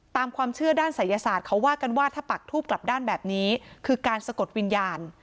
ตามความเชื่อด้านศัยศาสตร์เขาว่ากันว่าถ้าปักทูบกลับด้านแบบนี้คือการสะกดวิญญาณ